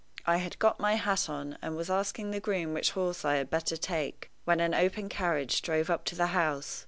I had got my hat on, and was asking the groom which horse I had better take, when an open carriage drove up to the house.